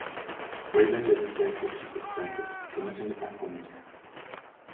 Raven le dice a estos "chicos tontos" que no se metan con ella.